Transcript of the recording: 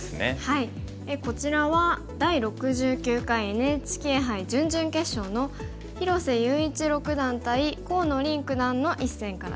こちらは第６９回ＮＨＫ杯準々決勝の広瀬優一六段対河野臨九段の一戦からです。